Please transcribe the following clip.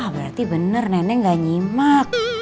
berarti bener nenek gak nyimak